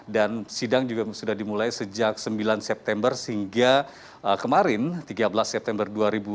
sidang juga sudah dimulai sejak sembilan september hingga kemarin tiga belas september dua ribu dua puluh